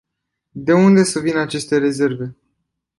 De unde să vină aceste rezerve?